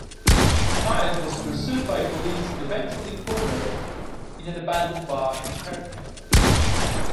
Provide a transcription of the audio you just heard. Myers was pursued by police and eventually cornered in an abandoned bar in Herkimer.